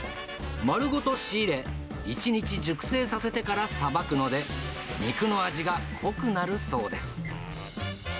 丸ごと仕入れ、一日熟成させてからさばくので、肉の味が濃くなるそうです。